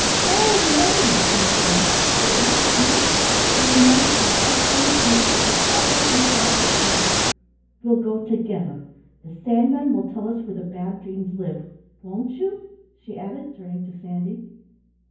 "No, no," sobbed Ann. "Don't leave me. It was my fault I promised mother I would always look after Peter. We'll go together. The Sandman will tell us where the Bad Dreams live, won't you?" she added, turning to Sandy.